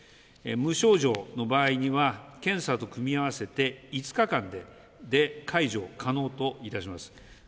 無症状の場合には、検査と組み合わせて５日間で解除可能といたします。